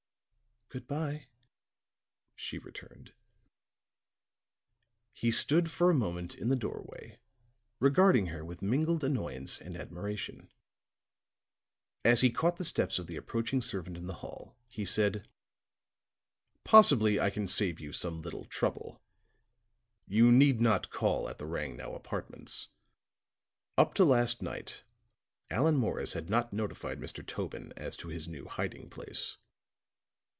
"Good by," she returned. He stood for a moment in the doorway regarding her with mingled annoyance and admiration. As he caught the steps of the approaching servant in the hall, he said: "Possibly I can save you some little trouble. You need not call at the Rangnow Apartments. Up to last night, Allan Morris had not notified Mr. Tobin as to his new hiding place.